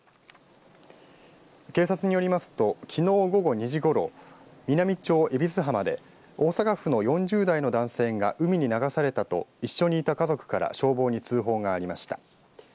警察によりますときのう午後２時ごろ、美波町恵比須浜で大阪府の４０代の男性が海に流されたと一緒にいた家族から消防に通報がありました。